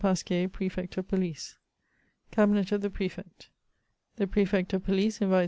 Pasquier, Prefect of PoUcc :—<' Cahinet of the Prefect. '< The Prefect of Police invites M.